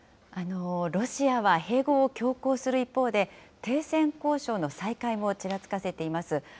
ロシアは併合を強行する一方で、停戦交渉の再開もちらつかせています。